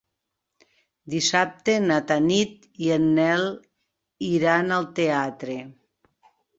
Dissabte na Tanit i en Nel iran al teatre.